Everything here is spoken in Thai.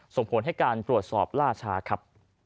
ส่งผลให้การตรวจสอบล่าช้าครับ